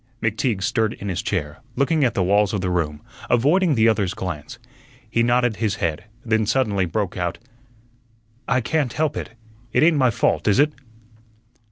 McTeague stirred in his chair, looking at the walls of the room, avoiding the other's glance. He nodded his head, then suddenly broke out: "I can't help it. It ain't my fault, is it?"